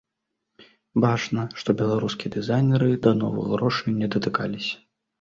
Бачна, што беларускія дызайнеры да новых грошай не датыкаліся.